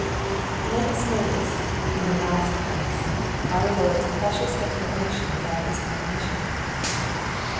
Let us notice, in the last place, our Lord's precious declaration about His own mission.